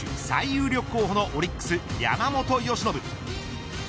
最有力候補のオリックス山本由伸。